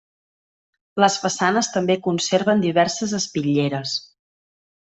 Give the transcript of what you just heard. Les façanes també conserven diverses espitlleres.